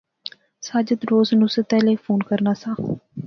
ساجد روز نصرتا لے فون کرنا سا